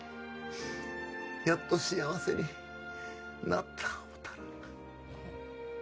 やっと幸せになった思うたら。